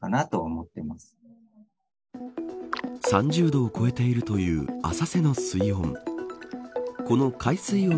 ３０度を超えているという浅瀬の水温。